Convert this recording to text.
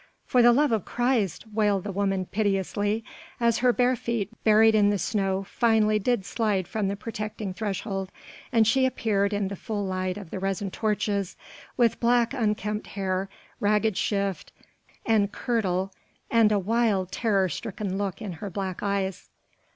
"For the love of Christ," wailed the woman piteously, as her bare feet buried in the snow finally slid away from the protecting threshold, and she appeared in the full light of the resin torches, with black unkempt hair, ragged shift and kirtle and a wild terror stricken look in her black eyes.